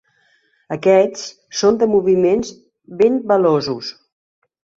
Aquests són de moviments ben veloços.